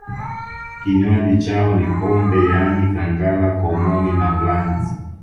Kinywaji chao ni pombe yaani kangala komoni na ulanzi